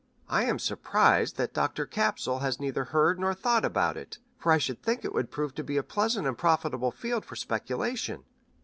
I am surprised that Dr. Capsule has neither heard nor thought about it, for I should think it would prove to be a pleasant and profitable field for speculation.